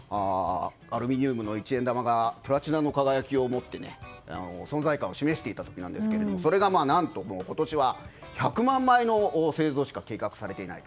アルミニウムの一円玉がプラチナの輝きを持って存在感を示していた時なんですがそれが何と今年は１００万枚の製造しか計画されていない。